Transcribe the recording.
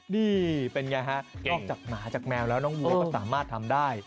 นี่เป็นไงฮะนอกจากหมาจากแมวแล้วน้องวัวก็สามารถทำได้